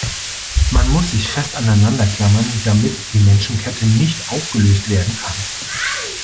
Man muss sich fest aneinander klammern, damit die Menschenkette nicht aufgelöst werden kann.